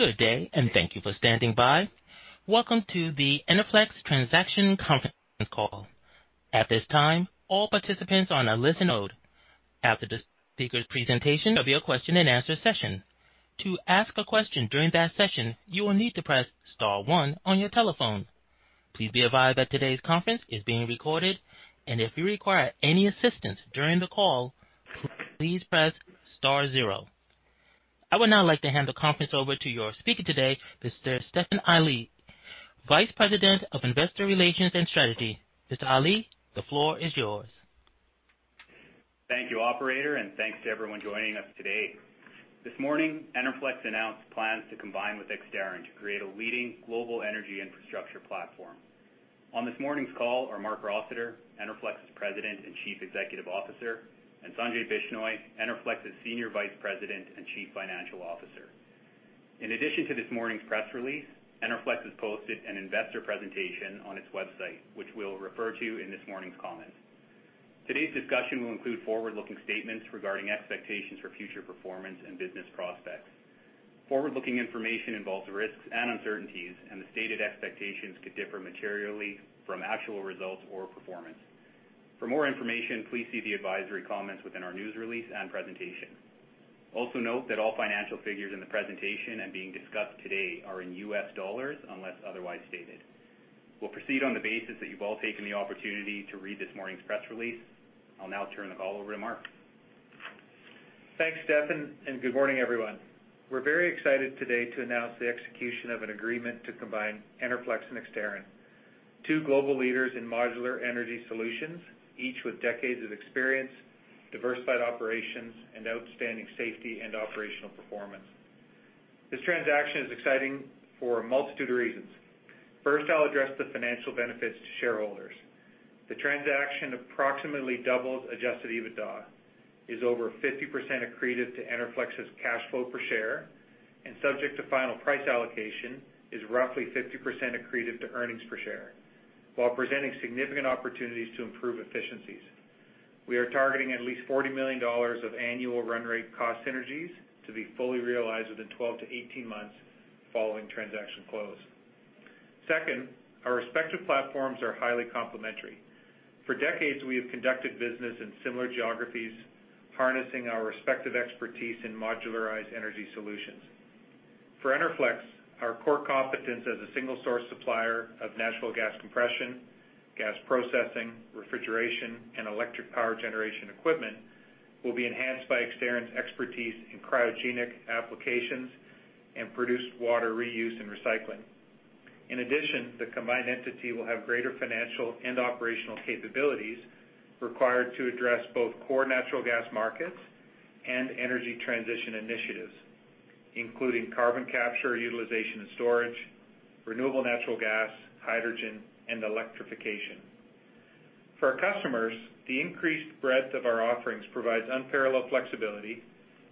Good day, and thank you for standing by. Welcome to the Enerflex Transaction Conference Call. At this time, all participants are on a listen mode. After the speaker's presentation, there'll be a question-and-answer session. To ask a question during that session, you will need to press star one on your telephone. Please be advised that today's conference is being recorded, and if you require any assistance during the call, please press star zero. I would now like to hand the conference over to your speaker today, Mr. Stefan Ali, Vice President of Investor Relations and Strategy. Mr. Ali, the floor is yours. Thank you, operator, and thanks to everyone joining us today. This morning, Enerflex announced plans to combine with Exterran to create a leading global energy infrastructure platform. On this morning's call are Marc Rossiter, Enerflex's President and Chief Executive Officer, and Sanjay Bishnoi, Enerflex's Senior Vice President and Chief Financial Officer. In addition to this morning's press release, Enerflex has posted an investor presentation on its website, which we'll refer to in this morning's comments. Today's discussion will include forward-looking statements regarding expectations for future performance and business prospects. Forward-looking information involves risks and uncertainties, and the stated expectations could differ materially from actual results or performance. For more information, please see the advisory comments within our news release and presentation. Also note that all financial figures in the presentation and being discussed today are in U.S. dollars, unless otherwise stated. We'll proceed on the basis that you've all taken the opportunity to read this morning's press release. I'll now turn the call over to Marc. Thanks, Stefan, and good morning, everyone. We're very excited today to announce the execution of an agreement to combine Enerflex and Exterran, two global leaders in modular energy solutions, each with decades of experience, diversified operations, and outstanding safety and operational performance. This transaction is exciting for a multitude of reasons. First, I'll address the financial benefits to shareholders. The transaction approximately doubles adjusted EBITDA, is over 50% accretive to Enerflex's cash flow per share, and subject to final price allocation, is roughly 50% accretive to earnings per share, while presenting significant opportunities to improve efficiencies. We are targeting at least $40 million of annual run rate cost synergies to be fully realized within 12 - 18 months following transaction close. Second, our respective platforms are highly complementary. For decades, we have conducted business in similar geographies, harnessing our respective expertise in modularized energy solutions. For Enerflex, our core competence as a single-source supplier of natural gas compression, gas processing, refrigeration, and electric power generation equipment will be enhanced by Exterran's expertise in cryogenic applications and produced water reuse and recycling. In addition, the combined entity will have greater financial and operational capabilities required to address both core natural gas markets and energy transition initiatives, including carbon capture, utilization, and storage, renewable natural gas, hydrogen, and electrification. For our customers, the increased breadth of our offerings provides unparalleled flexibility,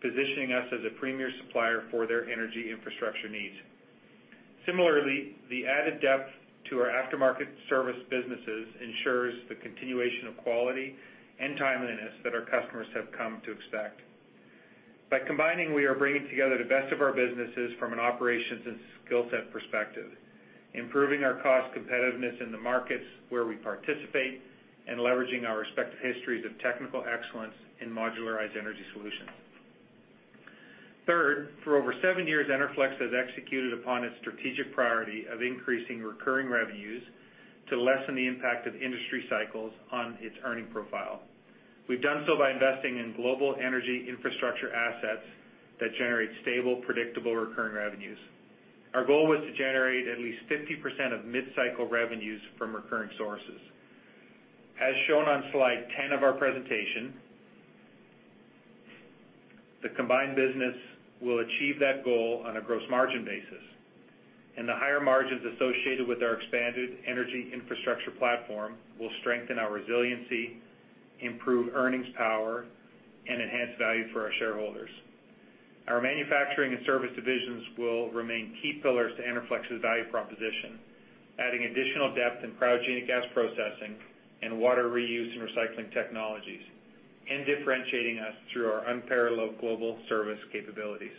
positioning us as a premier supplier for their Energy Infrastructure needs. Similarly, the added depth to our After-Market Services businesses ensures the continuation of quality and timeliness that our customers have come to expect. By combining, we are bringing together the best of our businesses from an operations and skill set perspective, improving our cost competitiveness in the markets where we participate and leveraging our respective histories of technical excellence in modularized energy solutions. Third, for over seven years, Enerflex has executed upon its strategic priority of increasing recurring revenues to lessen the impact of industry cycles on its earnings profile. We've done so by investing in global Energy Infrastructure assets that generate stable, predictable recurring revenues. Our goal was to generate at least 50% of mid-cycle revenues from recurring sources. As shown on slide 10 of our presentation, the combined business will achieve that goal on a gross margin basis, and the higher margins associated with our expanded Energy Infrastructure platform will strengthen our resiliency, improve earnings power, and enhance value for our shareholders. Our manufacturing and service divisions will remain key pillars to Enerflex's value proposition, adding additional depth in cryogenic gas processing and water reuse and recycling technologies, and differentiating us through our unparalleled global service capabilities.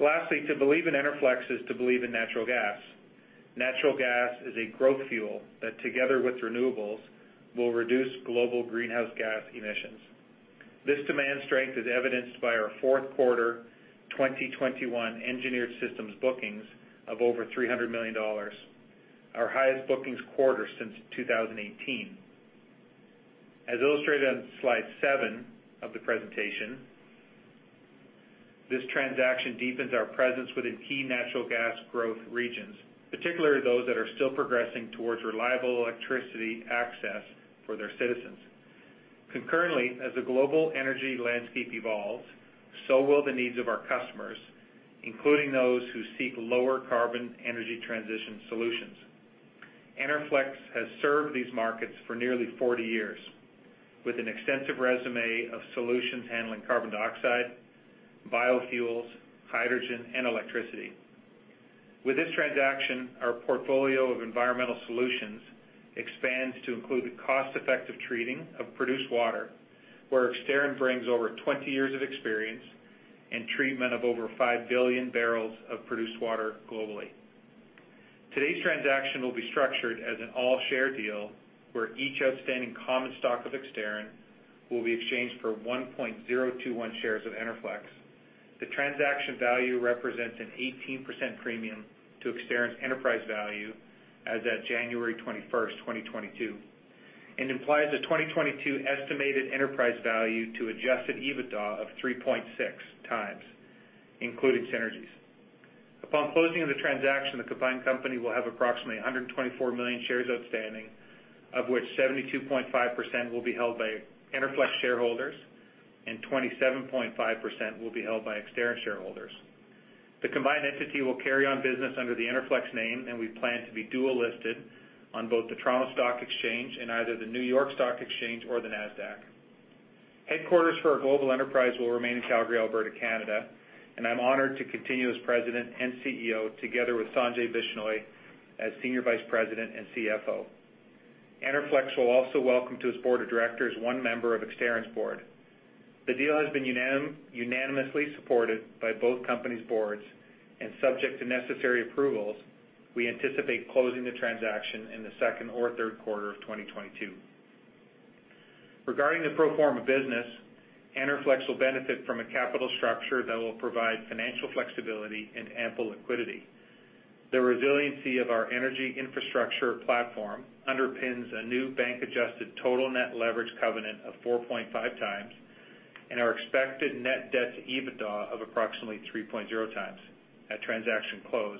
Lastly, to believe in Enerflex is to believe in natural gas. Natural gas is a growth fuel that, together with renewables, will reduce global greenhouse gas emissions. This demand strength is evidenced by our Q4 2021 Engineered Systems bookings of over $300 million, our highest bookings quarter since 2018. As illustrated on slide 7 of the presentation, this transaction deepens our presence within key natural gas growth regions, particularly those that are still progressing towards reliable electricity access for their citizens. Concurrently, as the global energy landscape evolves, so will the needs of our customers, including those who seek lower carbon energy transition solutions. Enerflex has served these markets for nearly 40 years with an extensive resume of solutions handling carbon dioxide, biofuels, hydrogen, and electricity. With this transaction, our portfolio of environmental solutions expands to include the cost-effective treating of produced water, where Exterran brings over 20 years of experience and treatment of over 5 billion barrels of produced water globally. Today's transaction will be structured as an all-share deal where each outstanding common stock of Exterran will be exchanged for 1.021 shares of Enerflex. The transaction value represents an 18% premium to Exterran's enterprise value as at January 21, 2022, and implies a 2022 estimated enterprise value to adjusted EBITDA of 3.6 times, including synergies. Upon closing of the transaction, the combined company will have approximately 124 million shares outstanding, of which 72.5% will be held by Enerflex shareholders and 27.5% will be held by Exterran shareholders. The combined entity will carry on business under the Enerflex name, and we plan to be dual-listed on both the Toronto Stock Exchange and either the New York Stock Exchange or the Nasdaq. Headquarters for our global enterprise will remain in Calgary, Alberta, Canada, and I'm honored to continue as President and CEO, together with Sanjay Bishnoi as Senior Vice President and CFO. Enerflex will also welcome to its board of directors one member of Exterran's board. The deal has been unanimously supported by both companies' boards and subject to necessary approvals. We anticipate closing the transaction in Q2 or Q3 of 2022. Regarding the pro forma business, Enerflex will benefit from a capital structure that will provide financial flexibility and ample liquidity. The resiliency of our Energy Infrastructure platform underpins a new bank-adjusted total net debt to EBITDA covenant of 4.5x, and our expected net debt to EBITDA of approximately 3.0x at transaction close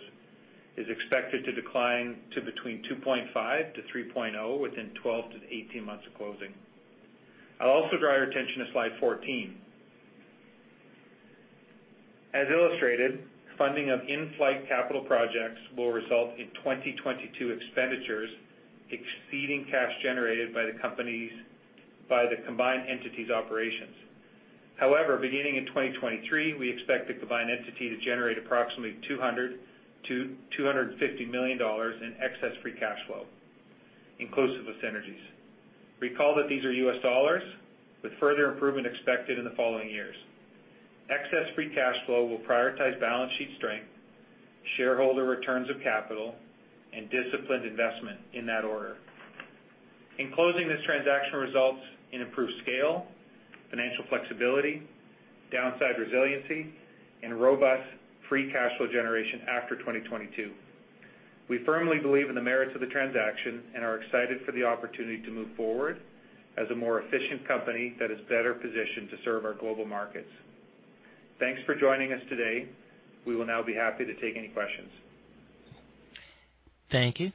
is expected to decline to between 2.5x to 3.0x within 12 - 18 months of closing. I'll also draw your attention to slide 14. As illustrated, funding of in-flight capital projects will result in 2022 expenditures exceeding cash generated by the combined entity's operations. However, beginning in 2023, we expect the combined entity to generate approximately $200 million-$250 million in excess free cash flow, inclusive of synergies. Recall that these are U.S. dollars with further improvement expected in the following years. Excess free cash flow will prioritize balance sheet strength, shareholder returns of capital, and disciplined investment in that order. In closing, this transaction results in improved scale, financial flexibility, downside resiliency, and robust free cash flow generation after 2022. We firmly believe in the merits of the transaction and are excited for the opportunity to move forward as a more efficient company that is better positioned to serve our global markets. Thanks for joining us today. We will now be happy to take any questions. Thank you.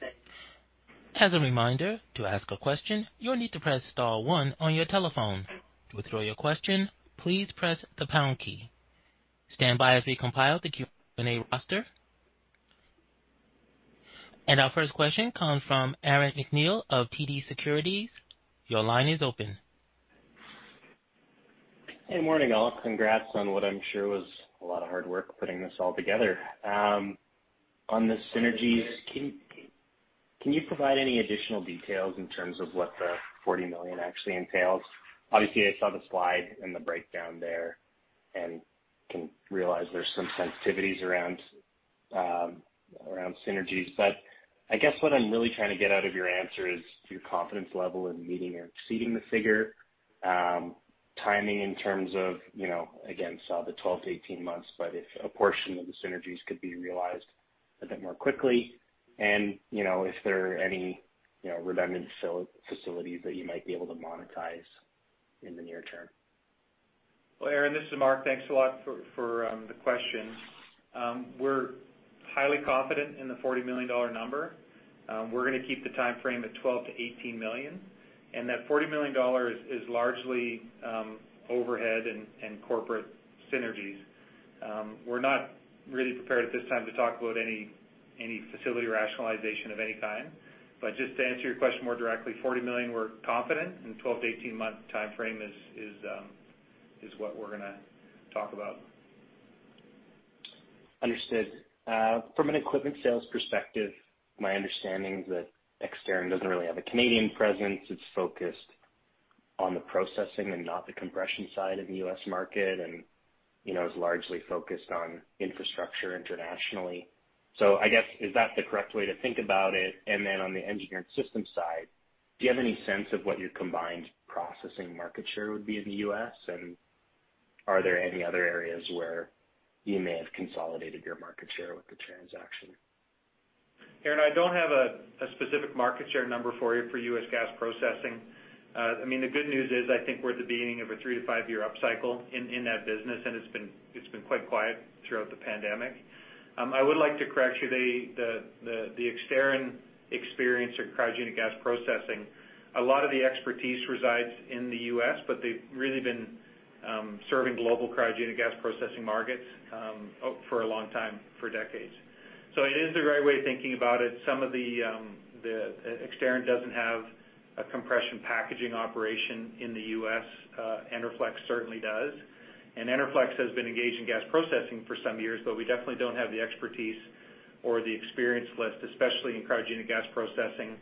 As a reminder, to ask a question, you'll need to press star one on your telephone. To withdraw your question, please press the pound key. Stand by as we compile the Q&A roster. Our first question comes from Aaron MacNeil of TD Securities. Your line is open. Good morning, all. Congrats on what I'm sure was a lot of hard work putting this all together. On the synergies, can you provide any additional details in terms of what the $40 million actually entails? Obviously, I saw the slide and the breakdown there and can realize there's some sensitivities around synergies. I guess what I'm really trying to get out of your answer is your confidence level in meeting or exceeding the figure, timing in terms of, you know, again, saw the 12-18 months, but if a portion of the synergies could be realized a bit more quickly, and, you know, if there are any, you know, redundant facilities that you might be able to monetize in the near term. Well, Aaron, this is Marc. Thanks a lot for the question. We're highly confident in the $40 million number. We're gonna keep the timeframe at 12-18 months, and that $40 million is largely overhead and corporate synergies. We're not really prepared at this time to talk about any facility rationalization of any kind. Just to answer your question more directly, $40 million, we're confident, and 12-18-month timeframe is what we're gonna talk about. Understood. From an equipment sales perspective, my understanding is that Exterran doesn't really have a Canadian presence. It's focused on the processing and not the compression side of the U.S. market and, you know, is largely focused on infrastructure internationally. So I guess, is that the correct way to think about it? And then on the Engineered Systems side, do you have any sense of what your combined processing market share would be in the U.S., and are there any other areas where you may have consolidated your market share with the transaction? Aaron, I don't have a specific market share number for you for U.S. gas processing. I mean, the good news is I think we're at the beginning of a 3- to 5-year upcycle in that business, and it's been quite quiet throughout the pandemic. I would like to correct you. The Exterran experience in cryogenic gas processing, a lot of the expertise resides in the U.S., but they've really been serving global cryogenic gas processing markets for a long time, for decades. So it is the right way of thinking about it. Some of the Exterran doesn't have a compression packaging operation in the U.S. Enerflex certainly does. Enerflex has been engaged in gas processing for some years, but we definitely don't have the expertise or the experience, at least, especially in cryogenic gas processing.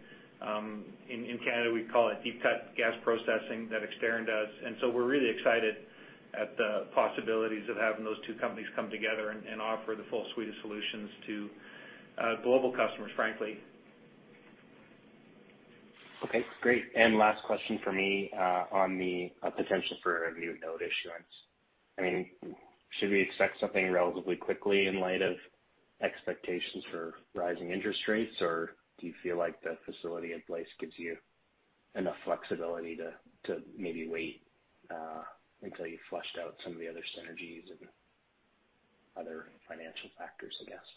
In Canada, we call it deep cut gas processing that Exterran does. We're really excited at the possibilities of having those two companies come together and offer the full suite of solutions to global customers, frankly. Okay, great. Last question for me, on the potential for a new note issuance. I mean, should we expect something relatively quickly in light of expectations for rising interest rates? Or do you feel like the facility in place gives you enough flexibility to maybe wait until you've flushed out some of the other synergies and other financial factors, I guess?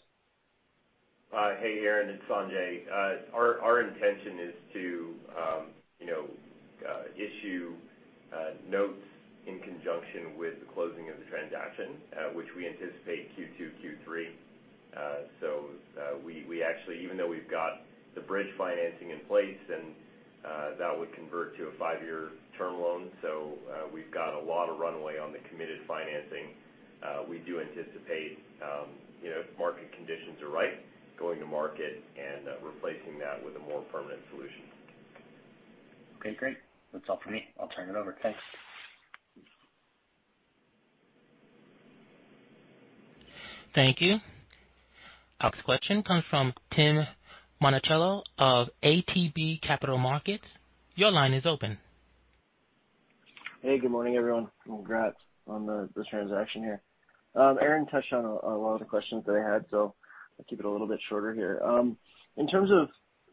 Hey, Aaron, it's Sanjay. Our intention is to, you know, issue notes in conjunction with the closing of the transaction, which we anticipate Q2, Q3. We actually even though we've got the bridge financing in place and that would convert to a five-year term loan, so we've got a lot of runway on the committed financing, we do anticipate, you know, if market conditions are right, going to market and replacing that with a more permanent solution. Okay, great. That's all for me. I'll turn it over. Thanks. Thank you. Next question comes from Tim Monachello of ATB Capital Markets. Your line is open. Hey, good morning, everyone. Congrats on this transaction here. Aaron touched on a lot of the questions that I had, so I'll keep it a little bit shorter here. In terms of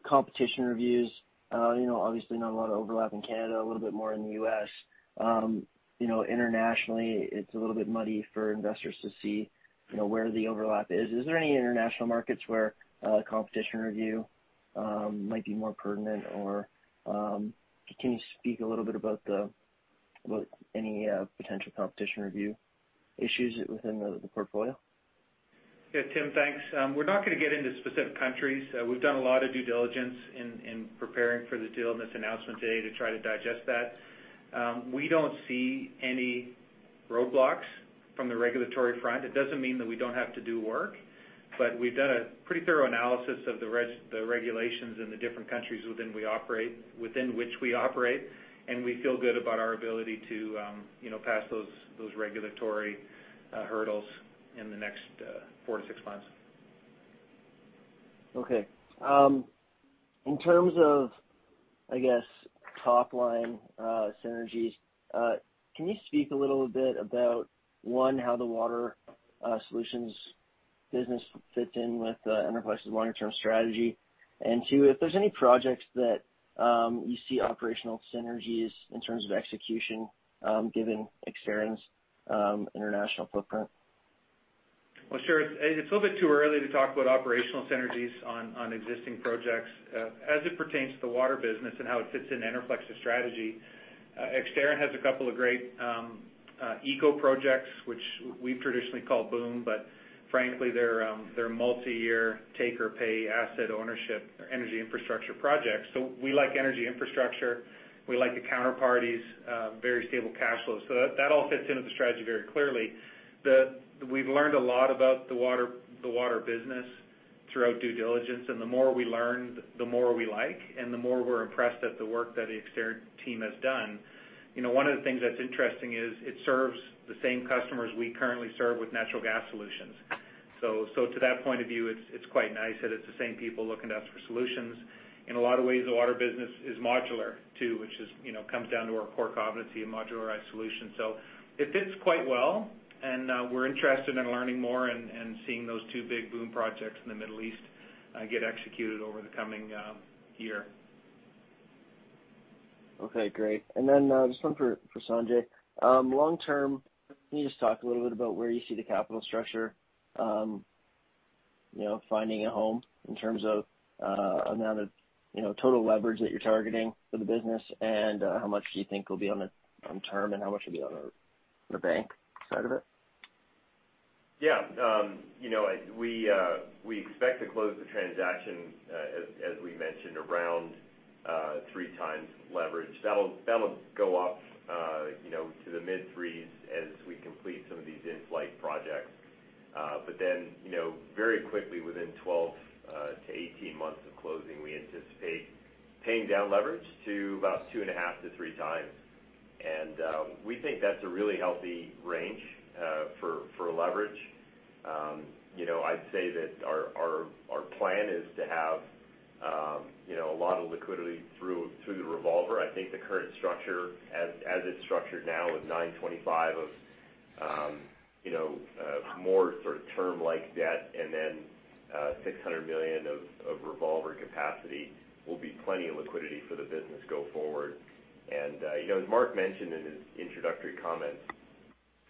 competition reviews, you know, obviously not a lot of overlap in Canada, a little bit more in the U.S. You know, internationally, it's a little bit muddy for investors to see, you know, where the overlap is. Is there any international markets where a competition review might be more pertinent? Or, can you speak a little bit about any potential competition review issues within the portfolio? Yeah, Tim, thanks. We're not gonna get into specific countries. We've done a lot of due diligence in preparing for the deal and this announcement today to try to digest that. We don't see any roadblocks from the regulatory front. It doesn't mean that we don't have to do work, but we've done a pretty thorough analysis of the regulations in the different countries within which we operate, and we feel good about our ability to, you know, pass those regulatory hurdles in the next 4-6 months. Okay. In terms of, I guess, top line synergies, can you speak a little bit about one, how the water solutions business fits in with, Enerflex's longer term strategy? Two, if there's any projects that you see operational synergies in terms of execution, given Exterran's international footprint? Well, sure. It's a little bit too early to talk about operational synergies on existing projects. As it pertains to the water business and how it fits into Enerflex's strategy, Exterran has a couple of great ECO projects, which we traditionally call BOOM, but frankly, they're multiyear take-or-pay asset ownership Energy Infrastructure projects. We like Energy Infrastructure, we like the counterparties, very stable cash flows. That all fits into the strategy very clearly. We've learned a lot about the water business throughout due diligence, and the more we learn, the more we like and the more we're impressed at the work that the Exterran team has done. You know, one of the things that's interesting is it serves the same customers we currently serve with natural gas solutions. To that point of view, it's quite nice that it's the same people looking to us for solutions. In a lot of ways, the water business is modular too, which is, you know, comes down to our core competency in modularized solutions. It fits quite well, and we're interested in learning more and seeing those two big BOOM projects in the Middle East get executed over the coming year. Okay, great. This one for Sanjay. Long term, can you just talk a little bit about where you see the capital structure, you know, finding a home in terms of amount of, you know, total leverage that you're targeting for the business, and how much do you think will be on the term and how much will be on the bank side of it? Yeah. You know, we expect to close the transaction, as we mentioned, around 3x leverage. That'll go up, you know, to the mid-3s as we complete some of these in-flight projects. You know, very quickly, within 12-18 months of closing, we anticipate paying down leverage to about 2.5-3x. We think that's a really healthy range for leverage. You know, I'd say that our plan is to have a lot of liquidity through the revolver. I think the current structure as it's structured now with $925 million of more sort of term like debt and then $600 million of revolver capacity will be plenty of liquidity for the business go forward. You know, as Mark mentioned in his introductory comments,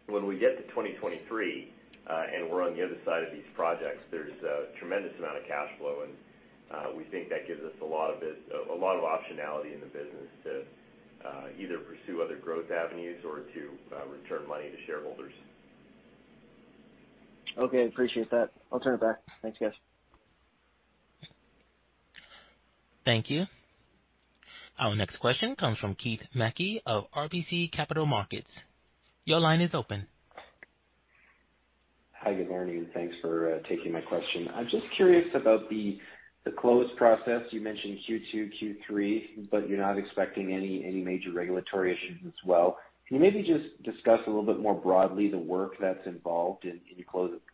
when we get to 2023 and we're on the other side of these projects, there's a tremendous amount of cash flow, and we think that gives us a lot of optionality in the business to either pursue other growth avenues or to return money to shareholders. Okay, appreciate that. I'll turn it back. Thanks, guys. Thank you. Our next question comes from Keith Mackey of RBC Capital Markets. Your line is open. Hi, good morning, and thanks for taking my question. I'm just curious about the close process. You mentioned Q2, Q3, but you're not expecting any major regulatory issues as well. Can you maybe just discuss a little bit more broadly the work that's involved in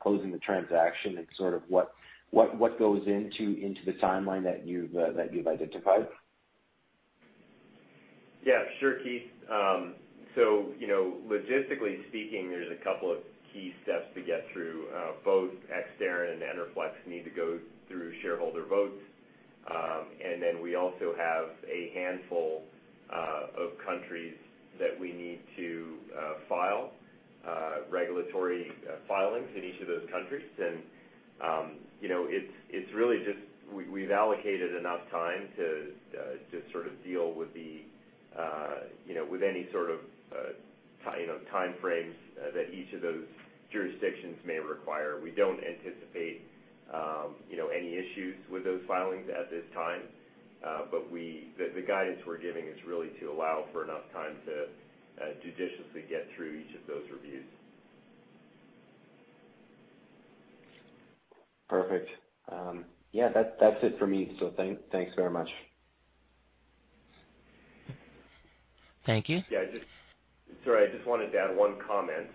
closing the transaction and sort of what goes into the timeline that you've identified? Yeah, sure, Keith. So, you know, logistically speaking, there's a couple of key steps to get through. Both Exterran and Enerflex need to go through shareholder votes. We also have a handful of countries that we need to file regulatory filings in each of those countries. You know, it's really just we've allocated enough time to sort of deal with the, you know, with any sort of timeframes that each of those jurisdictions may require. We don't anticipate, you know, any issues with those filings at this time. The guidance we're giving is really to allow for enough time to judiciously get through each of those reviews. Perfect. Yeah, that's it for me. Thanks very much. Thank you. Sorry, I just wanted to add one comment.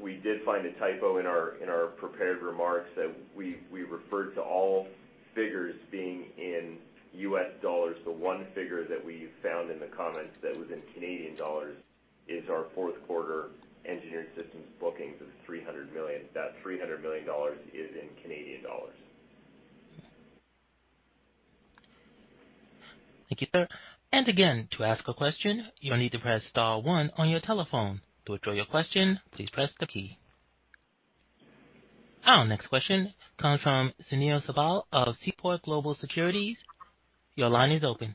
We did find a typo in our prepared remarks that we referred to all figures being in U.S. dollars. The one figure that we found in the comments that was in Canadian dollars is our fourth quarter Engineered Systems bookings of 300 million. That 300 million dollars is in Canadian dollars. Thank you, sir. Again, to ask a question, you'll need to press star one on your telephone. To withdraw your question, please press the key. Our next question comes from Sunil Sibal of Seaport Global Securities. Your line is open.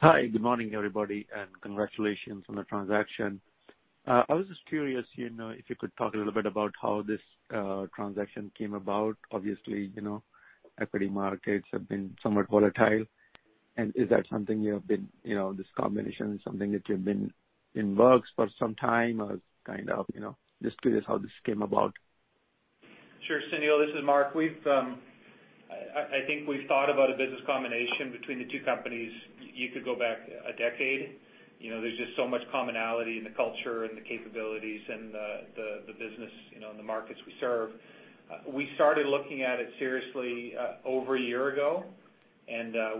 Hi, good morning, everybody, and congratulations on the transaction. I was just curious, you know, if you could talk a little bit about how this transaction came about. Obviously, you know, equity markets have been somewhat volatile. Is that something you have been, you know, this combination something that you've been in the works for some time or kind of, you know? Just curious how this came about. Sure, Sunil, this is Marc. I think we've thought about a business combination between the two companies, you could go back a decade. You know, there's just so much commonality in the culture and the capabilities and the business, you know, and the markets we serve. We started looking at it seriously over a year ago.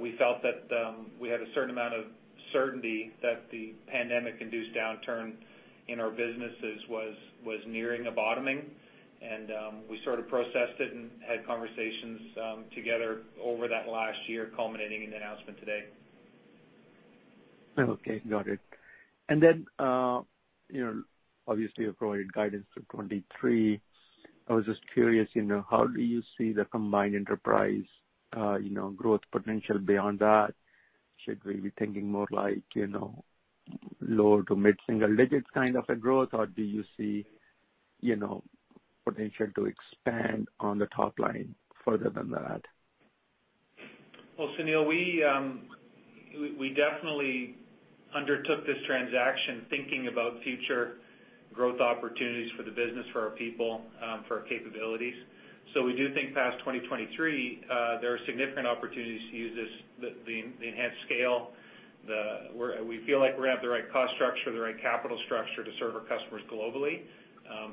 We felt that we had a certain amount of certainty that the pandemic-induced downturn in our businesses was nearing a bottoming. We sort of processed it and had conversations together over that last year, culminating in the announcement today. Okay, got it. You know, obviously you've provided guidance for 2023. I was just curious, you know, how do you see the combined enterprise, you know, growth potential beyond that? Should we be thinking more like, you know, low- to mid-single-digit kind of a growth? Or do you see, you know, potential to expand on the top line further than that? Well, Sunil, we definitely undertook this transaction thinking about future growth opportunities for the business, for our people, for our capabilities. We do think past 2023, there are significant opportunities to use this, the enhanced scale. We feel like we're gonna have the right cost structure, the right capital structure to serve our customers globally,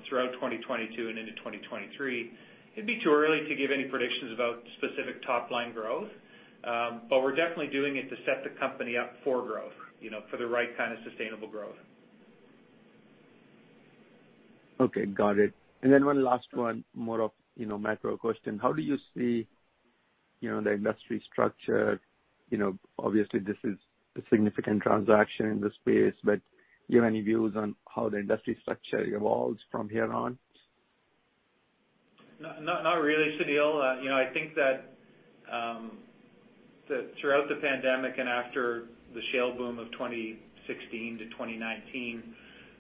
throughout 2022 and into 2023. It'd be too early to give any predictions about specific top-line growth, but we're definitely doing it to set the company up for growth, you know, for the right kind of sustainable growth. Okay, got it. One last one, more of, you know, macro question. How do you see, you know, the industry structure? You know, obviously, this is a significant transaction in the space, but do you have any views on how the industry structure evolves from here on? Not really, Sunil. You know, I think that throughout the pandemic and after the shale boom of 2016 - 2019,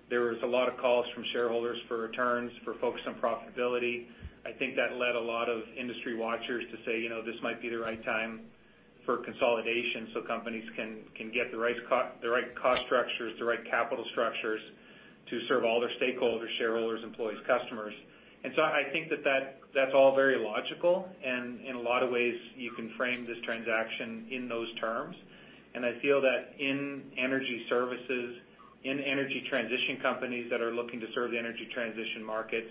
there was a lot of calls from shareholders for returns, for focus on profitability. I think that led a lot of industry watchers to say, you know, this might be the right time for consolidation so companies can get the right cost structures, the right capital structures to serve all their stakeholders, shareholders, employees, customers. I think that's all very logical. In a lot of ways, you can frame this transaction in those terms. I feel that in energy services, in energy transition companies that are looking to serve the energy transition markets,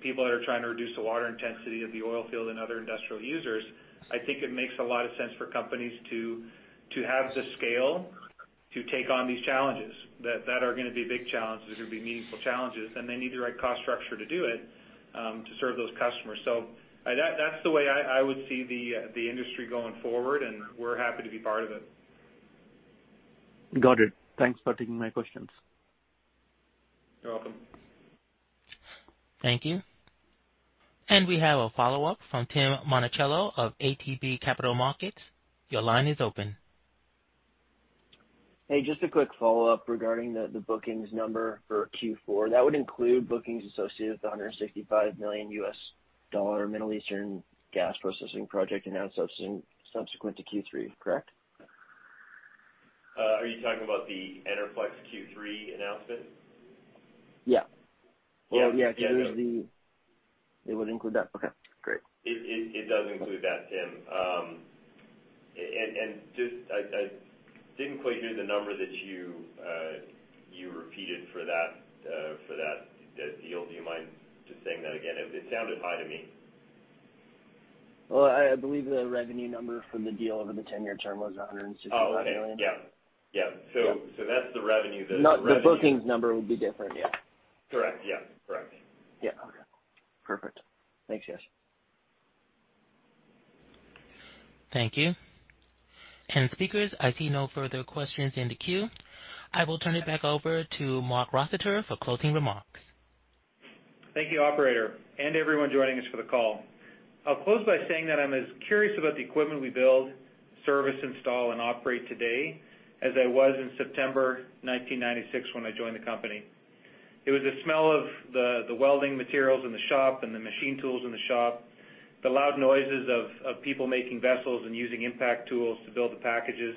people that are trying to reduce the water intensity of the oil field and other industrial users, I think it makes a lot of sense for companies to have the scale to take on these challenges that are gonna be big challenges. They're gonna be meaningful challenges. They need the right cost structure to do it, to serve those customers. That's the way I would see the industry going forward, and we're happy to be part of it. Got it. Thanks for taking my questions. You're welcome. Thank you. We have a follow-up from Tim Monachello of ATB Capital Markets. Your line is open. Hey, just a quick follow-up regarding the bookings number for Q4. That would include bookings associated with the $165 million Middle Eastern gas processing project announced subsequent to Q3, correct? Are you talking about the Enerflex Q3 announcement? Yeah. Yeah. Yeah. Yeah, it would include that. Okay, great. It does include that, Tim. I didn't quite hear the number that you repeated for that deal. Do you mind just saying that again? It sounded high to me. Well, I believe the revenue number for the deal over the ten-year term was $165 million. Oh, okay. Yeah. Yeah. Yeah. That's the revenue. No, the bookings number would be different, yeah. Correct. Yeah. Correct. Yeah. Okay. Perfect. Thanks, guys. Thank you. Speakers, I see no further questions in the queue. I will turn it back over to Marc Rossiter for closing remarks. Thank you, operator, and everyone joining us for the call. I'll close by saying that I'm as curious about the equipment we build, service, install and operate today as I was in September 1996 when I joined the company. It was the smell of the welding materials in the shop and the machine tools in the shop, the loud noises of people making vessels and using impact tools to build the packages,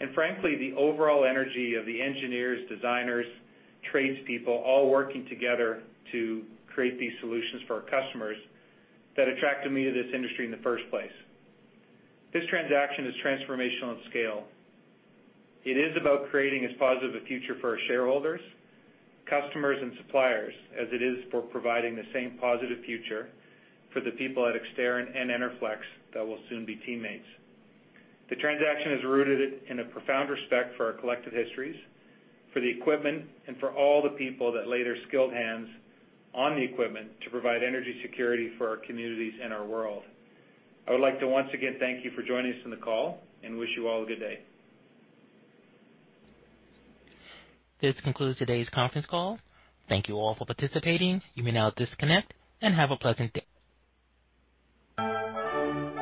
and frankly, the overall energy of the engineers, designers, tradespeople, all working together to create these solutions for our customers that attracted me to this industry in the first place. This transaction is transformational in scale. It is about creating as positive a future for our shareholders, customers, and suppliers as it is for providing the same positive future for the people at Exterran and Enerflex that will soon be teammates. The transaction is rooted in a profound respect for our collective histories, for the equipment, and for all the people that lay their skilled hands on the equipment to provide energy security for our communities and our world. I would like to once again thank you for joining us on the call and wish you all a good day. This concludes today's conference call. Thank you all for participating. You may now disconnect and have a pleasant day.